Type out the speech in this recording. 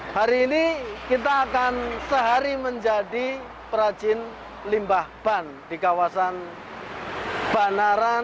hari ini kita akan sehari menjadi perajin limbah ban di kawasan banaran